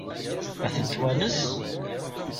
Ad tent-twanes?